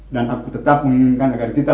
dan aku tetap menginginkan agar kita